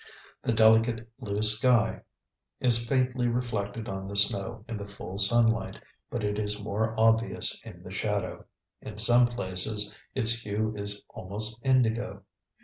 The delicate blue sky is faintly reflected on the snow in the full sunlight, but it is more obvious in the shadow; in some places its hue is almost indigo.